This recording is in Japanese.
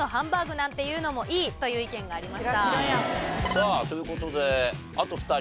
さあという事であと２人。